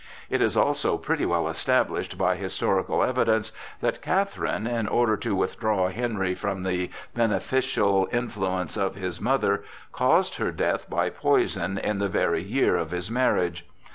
It is also pretty well established by historical evidence that Catherine, in order to withdraw Henry from the beneficial influence of his mother, caused her death by poison in the very year of his marriage.